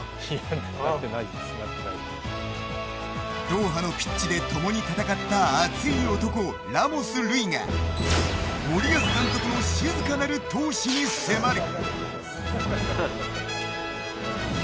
ドーハのピッチで共に戦った熱い男、ラモス瑠偉が森保監督の静かなる闘志に迫る。